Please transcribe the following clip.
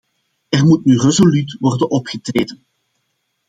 Er moet nu resoluut worden opgetreden.